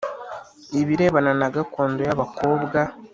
Ibirebana na gakondo y abakobwa